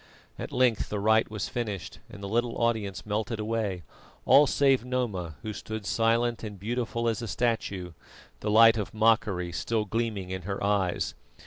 At length the rite was finished, and the little audience melted away, all save Noma, who stood silent and beautiful as a statue, the light of mockery still gleaming in her eyes.